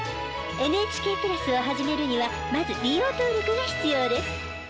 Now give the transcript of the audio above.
ＮＨＫプラスを始めるにはまず利用登録が必要です。